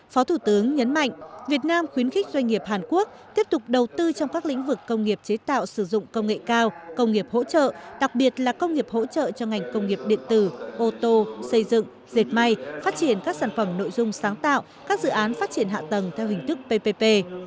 phó thủ tướng nhấn mạnh việt nam khuyến khích doanh nghiệp hàn quốc tiếp tục đầu tư trong các lĩnh vực công nghiệp chế tạo sử dụng công nghệ cao công nghiệp hỗ trợ đặc biệt là công nghiệp hỗ trợ cho ngành công nghiệp điện tử ô tô xây dựng dệt may phát triển các sản phẩm nội dung sáng tạo các dự án phát triển hạ tầng theo hình thức ppp